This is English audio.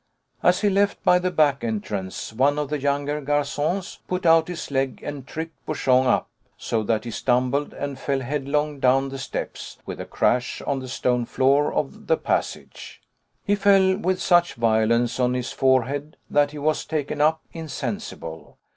As he left by the back entrance, one of the younger garçons put out his leg and tripped Bouchon up, so that he stumbled and fell headlong down the steps with a crash on the stone floor of the passage. He fell with such violence on his forehead that he was taken up insensible.